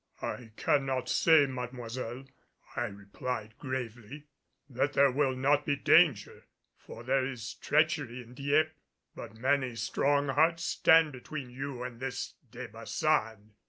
"I cannot say, Mademoiselle," I replied gravely, "that there will not be danger, for there is treachery in Dieppe. But many strong hearts stand between you and this De Baçan."